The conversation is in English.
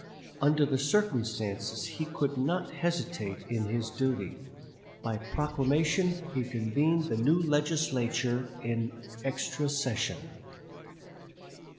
Under the circumstances he could not hesitate in his duty. By proclamation he convened the new Legislature in extra session.